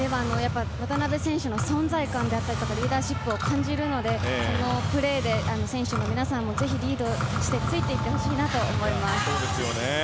渡邊選手の存在感やリーダーシップを感じるのでプレーで選手の皆さんをリードして、ぜひついていってほしいと思います。